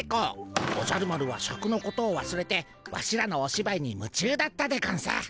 おじゃる丸はシャクのことをわすれてワシらのおしばいにむちゅうだったでゴンス。